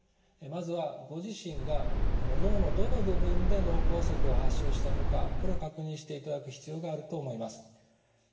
まずはご自身が脳のどの部分で脳梗塞を発症したのかこれを確認していただく必要があると思います。